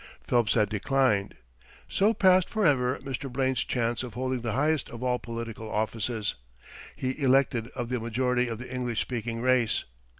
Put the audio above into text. Phelps had declined. So passed forever Mr. Blaine's chance of holding the highest of all political offices the elected of the majority of the English speaking race.